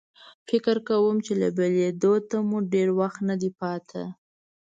فکر کوم چې له بېلېدو ته مو ډېر وخت نه دی پاتې.